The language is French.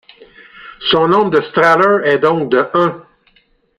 Son nombre de Strahler est donc de un.